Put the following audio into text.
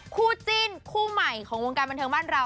คู่จิ้นคู่ใหม่ของวงการบันเทิงบ้านเรา